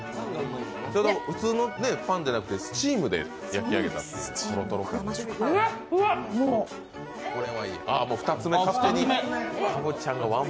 普通のパンじゃなくてスチームで焼き上げたという。